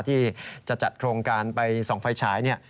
ที่จะจัดโครงการไปส่องไฟฉาย